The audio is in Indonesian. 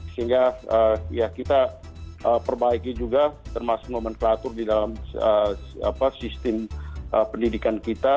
sehingga ya kita perbaiki juga termasuk nomenklatur di dalam sistem pendidikan kita